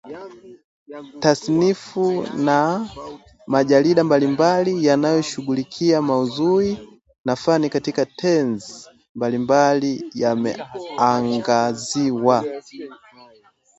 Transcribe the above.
tasnifu na majarida mbalimbali yanayoshughulikia maudhui na fani katika tenzi mbalimbali yameangaziwa